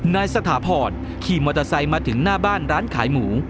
นายสถาพรขี่มอเตอร์ไซค์มาถึงหน้าบ้านร้านขายหมู